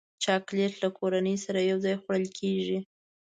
چاکلېټ له کورنۍ سره یوځای خوړل کېږي.